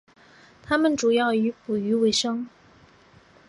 他们主要是以捕鱼维生。